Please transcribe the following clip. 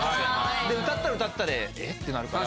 で歌ったら歌ったで「え」ってなるから。